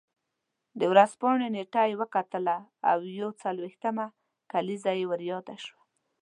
د ورځپاڼې نېټه یې وکتله او یو څلوېښتمه کلیزه یې ور یاده شوه.